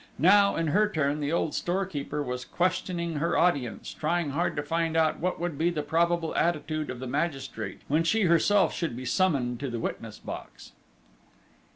Now, in her turn, the old storekeeper was questioning her audience, trying hard to find out what would be the probable attitude of the magistrate, when she herself should be summoned to the witness box.